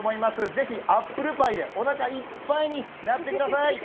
ぜひ、アップルパイでおなかいっパイになってください。